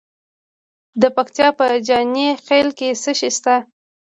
د پکتیا په جاني خیل کې څه شی شته؟